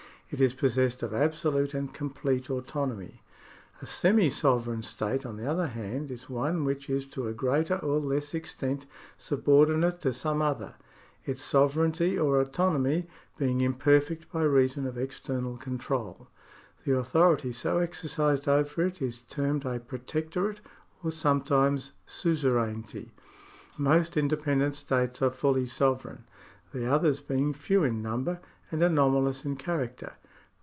It is possessed of absolute and complete autonomy. A semi sovereign state, on the other hand, is one which is to a greater or less extent subordinate to some other, its sovereignty or autonomy being imperfect by reason of external control. The authority so exercised over it is termed a protectorate or sometimes suzerainty. Most inde pendent states are fully sovereign, the others being few in number and anomalous in character.